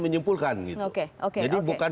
menyimpulkan gitu oke oke oke jadi bukan